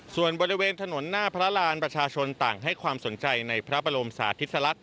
ส่วนบริเวณถนนหน้าพระรานประชาชนต่างให้ความสนใจในพระบรมสาธิสลักษ